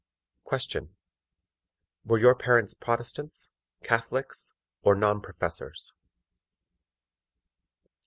Question. WERE YOUR PARENTS PROTESTANTS, CATHOLICS, OR NON PROFESSORS?